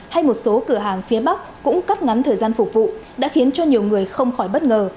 hay một số cửa hàng phía bắc cũng cắt ngắn thời gian phục vụ đã khiến cho nhiều người không khỏi bất ngờ